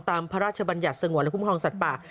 พระราชบัญญัติสงวนและคุ้มครองสัตว์ป่า